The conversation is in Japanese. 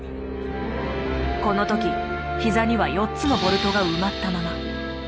この時ひざには４つのボルトが埋まったまま。